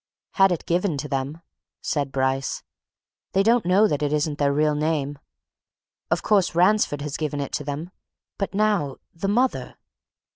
"Had it given to them," said Bryce. "They don't know that it isn't their real name. Of course, Ransford has given it to them! But now the mother?"